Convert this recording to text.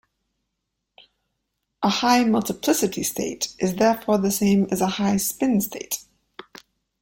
A high multiplicity state is therefore the same as a high-spin state.